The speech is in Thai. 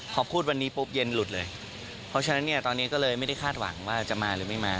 พอพูดวันนี้ปุ๊บเย็นหลุดเลยเพราะฉะนั้นเนี่ยตอนนี้ก็เลยไม่ได้คาดหวังว่าจะมาหรือไม่มา